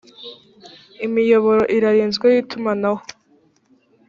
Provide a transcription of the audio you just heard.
imiyoboro irarinzwe y itumanaho